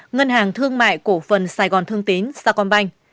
ngân hàng thương mại cổ phần sài gòn thương tín saigon bank